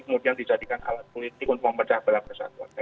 kemudian dijadikan alat politik untuk mempercah belakang kesatuan